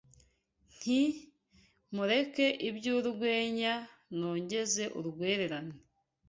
Nti : mureke iby’urwenya Nogeze urwererane